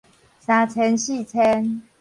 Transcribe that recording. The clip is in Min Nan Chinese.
三遷四遷